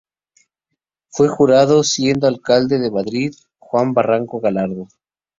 Fue inaugurado siendo Alcalde de Madrid, Juan Barranco Gallardo.